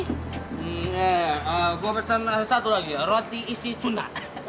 hmm eh gue pesen satu lagi ya roti isi cunda